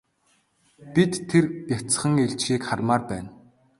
Бид тэр бяцхан илжгийг хармаар байна.